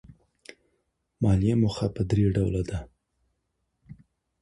مالي موخې په درې ډوله دي.